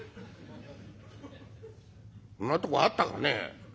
「そんなとこあったかね。